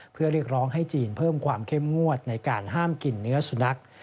เพื่อเรียกร้องให้จีนเพิ่มความเข้มงวดในการห้ามกินเนื้อสุนัข